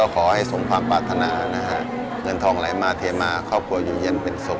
ขอให้สงความพัฒนาเงินทองไลมาเทมาครอบครัวอยู่เย็นเป็นสุข